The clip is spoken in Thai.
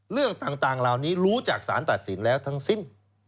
เรื่องต่างเหล่านี้รู้จากสารตัดสินแล้วทั้งสิ้น